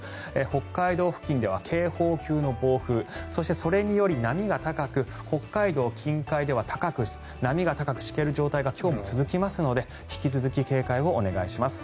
北海道付近では警報級の暴風そして、それにより波が高く、北海道近海では波が高く、しける状態が今日も続きますので引き続き警戒をお願いします。